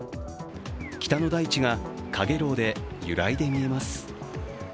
北の大地がかげろうで揺らいで見えます。